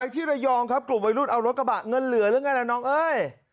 ที่ระยองครับกลุ่มวัยรุ่นเอารถกระบะเงินเหลือหรือไงล่ะน้องเอ้ย